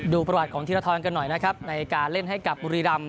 ประวัติของธีรทรกันหน่อยนะครับในการเล่นให้กับบุรีรำ